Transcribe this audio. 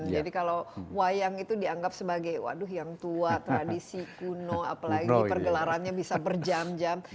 jadi kalau wayang itu dianggap sebagai waduh yang tua tradisi kuno apalagi pergelarannya bisa berjam jam